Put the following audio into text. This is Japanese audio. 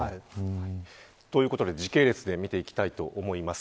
ということで、時系列で見ていきたいと思います。